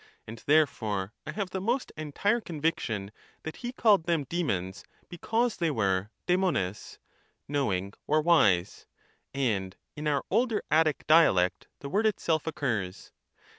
And therefore I have the most entire conviction that he called them demons, because they were darjiiove^ (knowing or wise), and in our older Attic dialect the word itself occurs.